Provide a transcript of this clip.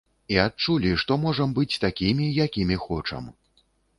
І адчулі, што можам быць такімі, якімі хочам.